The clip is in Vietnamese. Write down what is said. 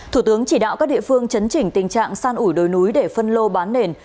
thủ tướng chỉ đạo các địa phương chấn chỉnh tình trạng san ủi đồi núi để phân lô bán nền